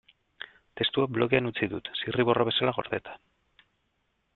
Testua blogean utzi dut, zirriborro bezala gordeta.